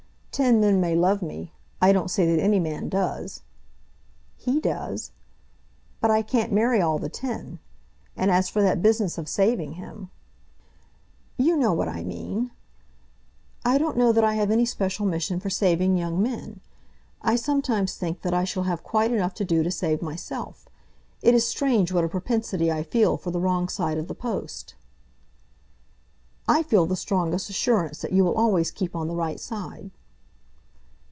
Ten men may love me, I don't say that any man does " "He does." "But I can't marry all the ten. And as for that business of saving him " "You know what I mean!" "I don't know that I have any special mission for saving young men. I sometimes think that I shall have quite enough to do to save myself. It is strange what a propensity I feel for the wrong side of the post." "I feel the strongest assurance that you will always keep on the right side."